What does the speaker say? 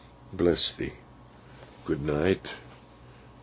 Bless thee. Good night.